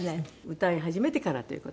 歌い始めてからという事です。